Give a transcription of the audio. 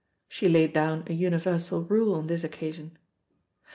She laid down a universal rule on this occasion.